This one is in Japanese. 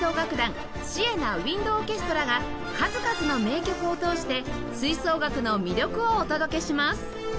シエナ・ウインド・オーケストラが数々の名曲を通して吹奏楽の魅力をお届けします